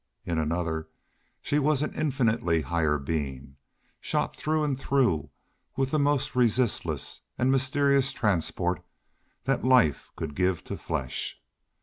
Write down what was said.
In another she was an infinitely higher being shot through and through with the most resistless and mysterious transport that life could give to flesh.